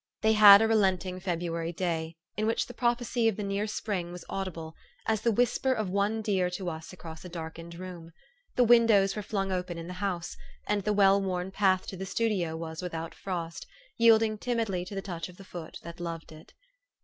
They had a relenting February day, in which the prophecy of the neap spring was audible, as the whisper of one dear to us across a darkened room. The windows were flung open in the house, and the well worn path to the studio was without frost, yield ing timidly to the touch of the foot that loved it.